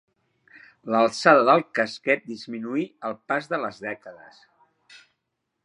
L'alçada del casquet disminuí al pas de les dècades.